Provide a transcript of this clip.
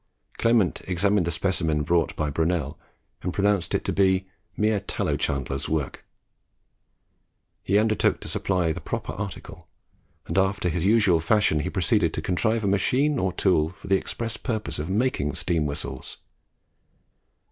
Clement examined the specimen brought by Brunel, and pronounced it to be "mere tallow chandler's work." He undertook to supply a proper article, and after his usual fashion he proceeded to contrive a machine or tool for the express purpose of making steam whistles.